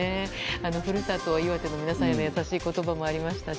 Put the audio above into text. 故郷・岩手の皆さんへの優しい言葉もありましたし